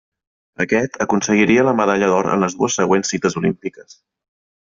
Aquest aconseguiria la medalla d'or en les dues següents cites olímpiques.